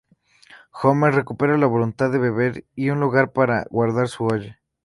Homer recupera la voluntad de beber y un lugar para guardar su olla.